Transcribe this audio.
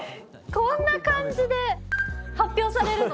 こんな感じで発表されるの？